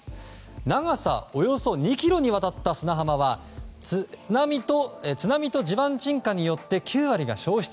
長さおよそ２ｋｍにわたった砂浜は、津波と地盤沈下によって９割が消失。